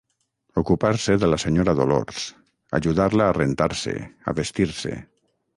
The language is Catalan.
Ocupar-se de la senyora Dolors, ajudar-la a rentar-se, a vestir-se.